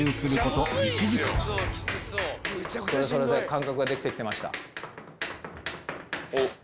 感覚ができてきてました。